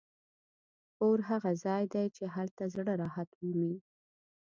کور هغه ځای دی چې هلته زړه راحت مومي.